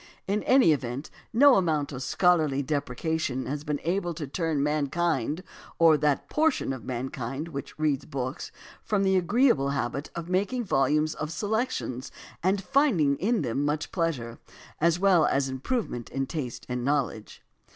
In any event no amount of scholarly deprecation has been able to turn mankind or that portion of mankind which reads books from the agreeable habit of making volumes of selections and finding in them much pleasure, as well as improvement in taste and knowledge.